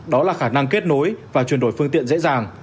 đó là khả năng kết nối và chuyển đổi phương tiện dễ dàng